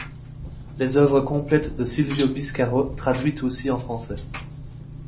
Les œuvres complètes de Silvio Biscàro traduites aussi en français.